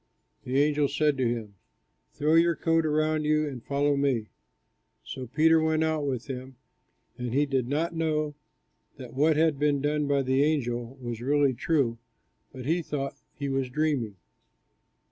The angel said to him, "Throw your coat around you, and follow me." So Peter went out with him; and he did not know that what had been done by the angel was really true, but he thought he was dreaming.